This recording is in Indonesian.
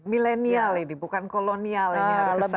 millenial ini bukan kolonial ini ada kesannya